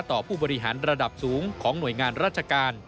ผู้บริหารระดับสูงของหน่วยงานราชการ